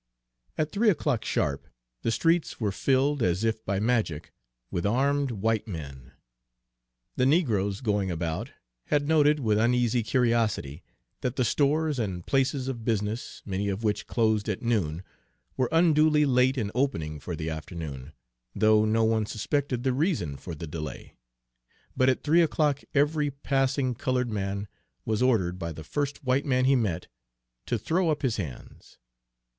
At three o'clock sharp the streets were filled, as if by magic, with armed white men. The negroes, going about, had noted, with uneasy curiosity, that the stores and places of business, many of which closed at noon, were unduly late in opening for the afternoon, though no one suspected the reason for the delay; but at three o'clock every passing colored man was ordered, by the first white man he met, to throw up his hands.